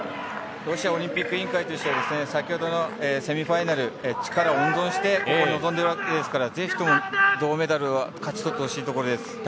ロシアオリンピック委員会としては先ほどのセミファイナル力を温存してここに臨んでいるわけですからぜひとも銅メダル勝ち取ってほしいところです。